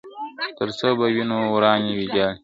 تر څو به وینو وراني ویجاړي ..